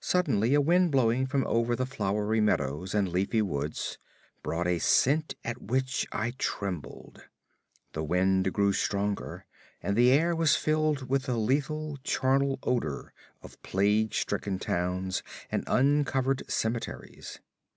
Suddenly a wind blowing from over the flowery meadows and leafy woods brought a scent at which I trembled. The wind grew stronger, and the air was filled with the lethal, charnel odor of plague stricken towns and uncovered cemeteries.